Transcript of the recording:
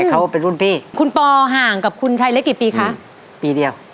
เขาเป็นรุ่นพี่คุณปอห่างกับคุณชายเล็กกี่ปีคะปีเดียว